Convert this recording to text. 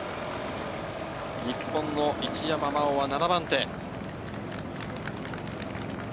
日本の一山麻緒は７番手。